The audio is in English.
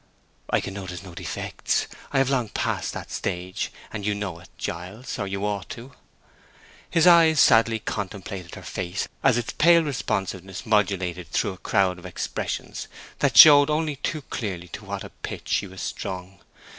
"Can I notice defects? I have long passed that stage, and you know it, Giles, or you ought to." His eyes sadly contemplated her face as its pale responsiveness modulated through a crowd of expressions that showed only too clearly to what a pitch she was strung.